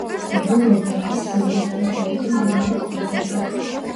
ბოლობო არის სამდინარო პორტი მდინარე კონგოზე.